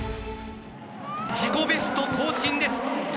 自己ベスト更新です。